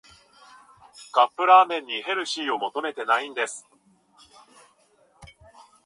カップラーメンにヘルシーは求めてないんです